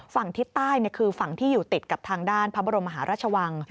ฝั่งทิศใต้คือฝั่งที่อยู่ติดกับทางด้านพระบรมหาราชวัง